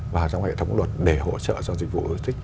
vào trong hệ thống luật để hỗ trợ cho dịch vụ logistics